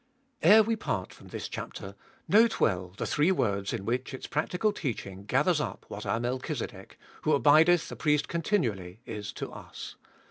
1. Ere we part from this chapter note well the three words In which its practical teaching gathers up what our Melchizedek, who abideth a priest continually, is to us.